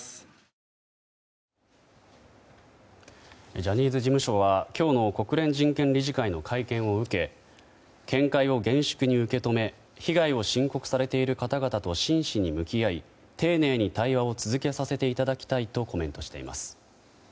ジャニーズ事務所は今日の国連人権理事会の会見を受け見解を厳粛に受け止め被害を申告されている方々と真摯に向き合い、丁寧に対話を続けさせていただきたいとコメントしています。